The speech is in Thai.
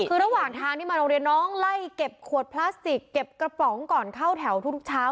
คือระหว่างทางที่มาโรงเรียนน้องไล่เก็บขวดพลาสติกเก็บกระป๋องก่อนเข้าแถวทุกเช้า